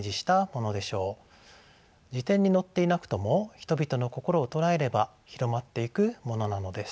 辞典に載っていなくとも人々の心を捉えれば広まっていくものなのです。